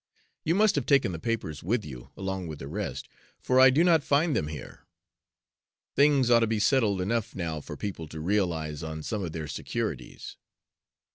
You must have taken the papers with you, along with the rest, for I do not find them here. Things ought to be settled enough now for people to realize on some of their securities.